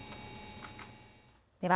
では